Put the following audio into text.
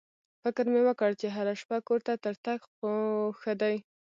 فکر مې وکړ چې هره شپه کور ته تر تګ خو ښه دی.